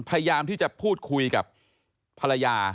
พยายามที่จะพูดคุยกับภรรยา